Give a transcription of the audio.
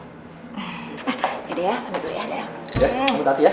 nah udah ya ambil dulu ya